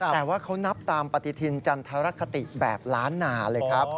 แต่ว่าเขานับตามปฏิทินจันทรคติแบบล้านนาเลยครับ